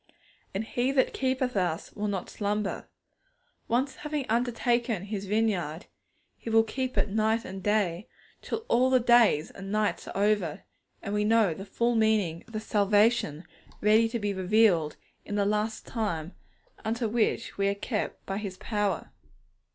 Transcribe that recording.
And He that keepeth us will not slumber. Once having undertaken His vineyard, He will keep it night and day, till all the days and nights are over, and we know the full meaning of the salvation ready to be revealed in the last time, unto which we are kept by His power.